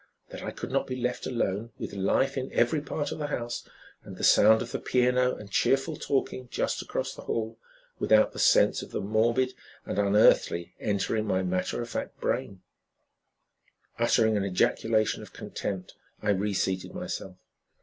That I could not be left alone, with life in every part of the house, and the sound of the piano and cheerful talking just across the hall, without the sense of the morbid and unearthly entering my matter of fact brain! Uttering an ejaculation of contempt, I reseated myself.